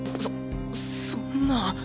そそんな。